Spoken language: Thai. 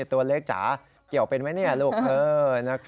ตัวเล็กจ๋าเกี่ยวเป็นไหมเนี่ยลูก